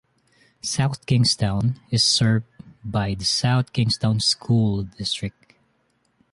South Kingstown is served by the South Kingstown School District.